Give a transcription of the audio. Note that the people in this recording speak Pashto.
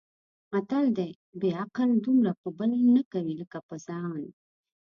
متل دی: بې عقل دومره په بل نه کوي لکه په ځان.